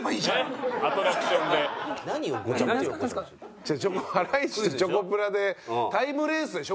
ハライチとチョコプラでタイムレースでしょ？